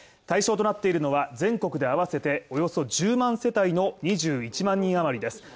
対象となっているのは全国で合わせておよそ１０万世帯の２１万人余りです。